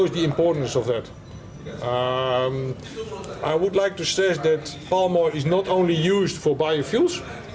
saya ingin mengucapkan bahwa sawit bukan hanya digunakan untuk biofuel